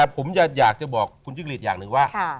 ผมอยากจะบอกคุณจิ้งหลีดอย่างหนึ่งว่า